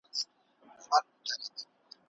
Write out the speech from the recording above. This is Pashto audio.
په لویه جرګه کي ازاد بحث ولي مهم دی؟